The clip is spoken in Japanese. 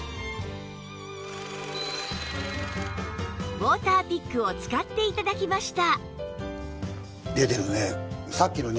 ウォーターピックを使って頂きました